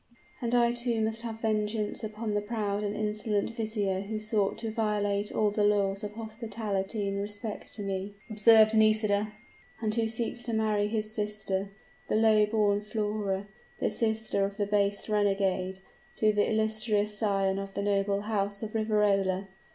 "And I too must have vengeance upon the proud and insolent vizier who sought to violate all the laws of hospitality in respect to me," observed Nisida, "and who seeks to marry his sister, the low born Flora, the sister of the base renegade, to the illustrious scion of the noble house of Riverola!